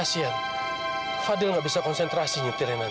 kasian fadil gak bisa konsentrasi nyetirnya nanti